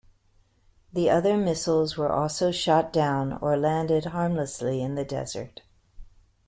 The other missiles were also shot down or landed harmlessly in the desert.